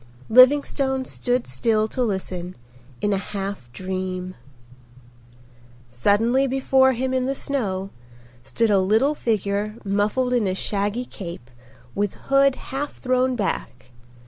Livingstone stood still to listen, in a half dream. Suddenly before him in the snow stood a little figure muffled in a shaggy cape with hood half thrown back.